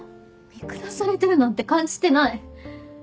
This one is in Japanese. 見下されてるなんて感じてない！